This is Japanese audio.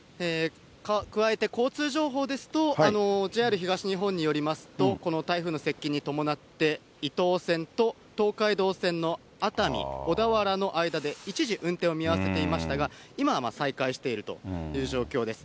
加えて交通情報ですと、ＪＲ東日本によりますと、この台風の接近に伴って、伊東線と東海道線の熱海・小田原の間で一時、運転を見合わせていましたが、今は再開しているという状況です。